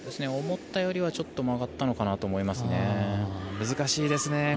思ったよりはちょっと曲がったのかなと思いますね。